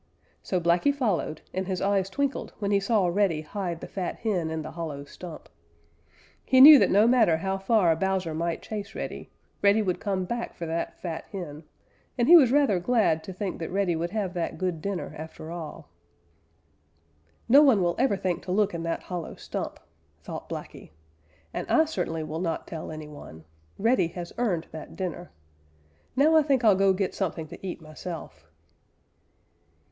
So Blacky followed, and his eyes twinkled when he saw Reddy hide the fat hen in the hollow stump. He knew that no matter how far Bowser might chase Reddy, Reddy would come back for that fat hen, and he was rather glad to think that Reddy would have that good dinner after all. "No one will ever think to look in that hollow stump," thought Blacky, "and I certainly will not tell any one. Reddy has earned that dinner. Now I think I'll go get something to eat myself."